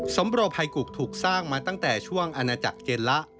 สมโปรภัยกุกถูกสร้างมาตั้งแต่ช่วงอาณาจักรเจนละ